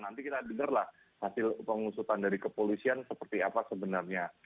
nanti kita dengarlah hasil pengusutan dari kepolisian seperti apa sebenarnya